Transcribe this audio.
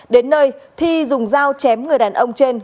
đến nơi thi dùng dao chém người đàn ông trên